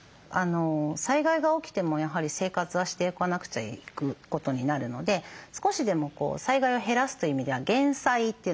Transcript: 災害が起きてもやはり生活はしていかなくちゃいくことになるので少しでも災害を減らすという意味では減災というのがすごく大事です。